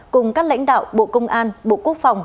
cùng các lãnh đạo bộ công an bộ quốc phòng